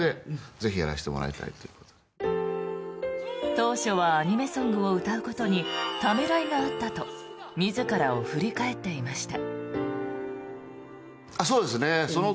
当初はアニメソングを歌うことにためらいがあったと自らを振り返っていました。